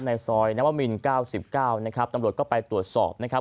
ในซอยนวมิน๙๙นะครับตำรวจก็ไปตรวจสอบนะครับ